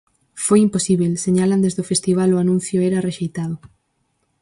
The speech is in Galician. Foi imposíbel, sinalan desde o festival, "o anuncio era rexeitado".